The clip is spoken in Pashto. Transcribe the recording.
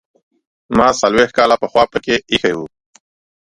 ما څلوېښت کاله پخوا پکې ایښې وې.